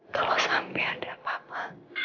kalau sampai ada papa